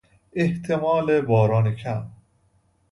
احتمال باران کم است.